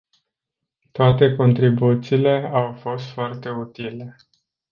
Toate contribuțiile au fost foarte utile.